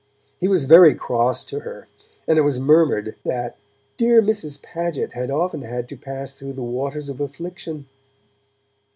He was very cross to her, and it was murmured that 'dear Mrs. Paget had often had to pass through the waters of affliction'.